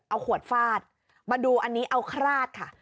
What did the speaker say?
เอาขวดฟาดมาดูอันนี้เอาคราดค่ะ